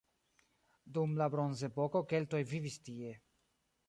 Dum la bronzepoko keltoj vivis tie.